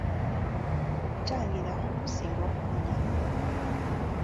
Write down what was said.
Okutangira kusinga okuwonya.